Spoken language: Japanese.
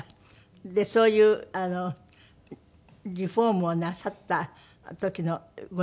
でそういうリフォームをなさった時のご自分のなんていうの